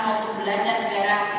maupun belanja negara